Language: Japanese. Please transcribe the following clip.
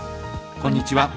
こんにちは。